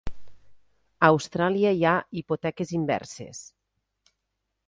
A Austràlia, hi ha hipoteques inverses.